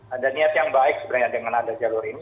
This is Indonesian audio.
ada niat yang baik sebenarnya dengan ada jalur ini